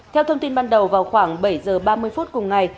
theo thông tin ban đầu vào khoảng bảy giờ ba mươi phút cùng ngày